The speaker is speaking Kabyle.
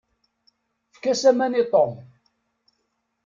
Efk-as aman i Tom.